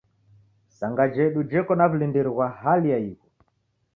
Isanga jedu jeko na w'ulindiri ghwa hali ya ighu.